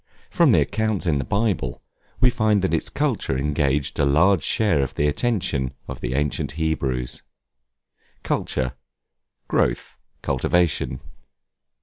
From the accounts in the Bible, we find that its culture engaged a large share of the attention of the ancient Hebrews. Culture, growth, cultivation.